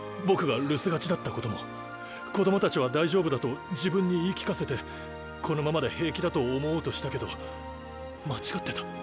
僕が留守がちだったことも子供たちは大丈夫だと自分に言い聞かせてこのままで平気だと思おうとしたけど間違ってた。